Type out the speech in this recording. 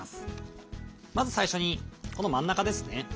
まず最初にこの真ん中ですね。